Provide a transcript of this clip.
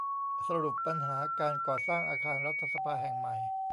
สรุปปัญหาการก่อสร้างอาคารรัฐสภาแห่งใหม่